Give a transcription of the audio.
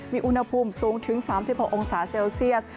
มีอุณหภูมิสูงถึง๓๖องศาเซลเซียส